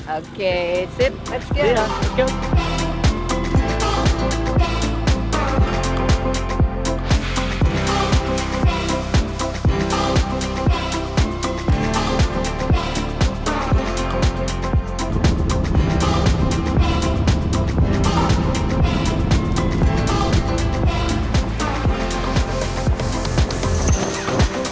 oke duduk ayo